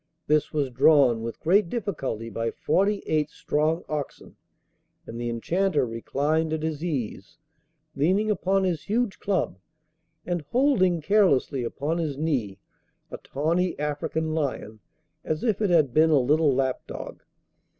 This was drawn with great difficulty by forty eight strong oxen; and the Enchanter reclined at his ease, leaning upon his huge club, and holding carelessly upon his knee a tawny African lion, as if it had been a little lapdog.